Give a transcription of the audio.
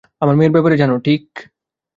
আমার মেয়ের ব্যাপারে জানো, ঠিক?